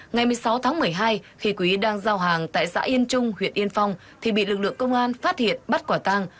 ngày một mươi sáu tháng một mươi hai khi quý đang giao hàng tại xã yên trung huyện yên phong thì bị lực lượng công an phát hiện bắt quả tăng